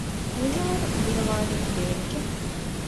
މިހާރު ގިނަވާނީ ރޭނިގެ